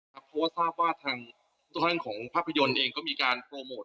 ครับเพราะว่าท่านของภาพยนต์เองก็มีการโปรโมท